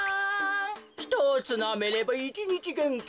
ひとつなめれば１にちげんき。